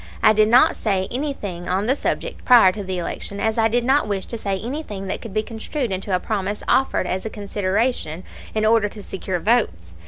I did not say anything on the subject prior to the election, as I did not wish to say anything that could be construed into a promise offered as a consideration in order to secure votes.